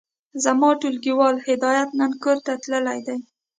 زما ټولګيوال هدايت نن کورته تللی دی.